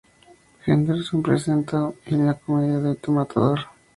Henderson presenta" y la comedia "The Matador".